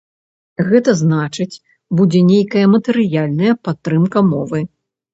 Гэта значыць, будзе нейкая матэрыяльная падтрымка мовы.